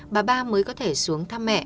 bà ba mới có thể xuống thăm mẹ